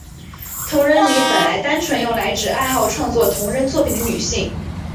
同人女本来单纯用来指爱好创作同人作品的女性。